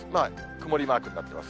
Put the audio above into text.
曇りマークになってます。